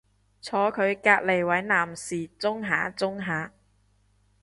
坐佢隔離位男士舂下舂下